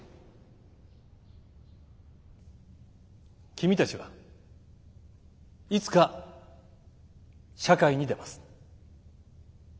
君たちはいつか社会に出ます。